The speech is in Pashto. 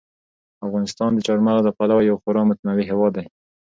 افغانستان د چار مغز له پلوه یو خورا متنوع هېواد دی.